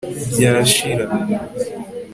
Byashira